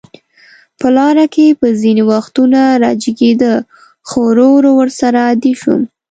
په لاره کې به ځینې وختونه راجګېده، خو ورو ورو ورسره عادي شوم.